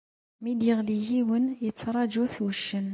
Mi d-yeɣli yiwen, yettṛaǧu-t wuccen